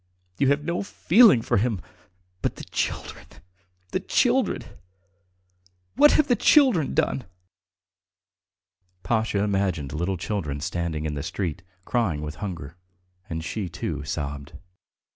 ... You have no feeling for him, but the children ... the children ... What have the children done?" Pasha imagined little children standing in the street, crying with hunger, and she, too, sobbed.